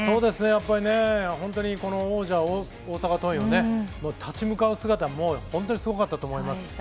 やっぱりこの王者・大阪桐蔭をそれに立ち向かう姿、本当にすごかったと思います。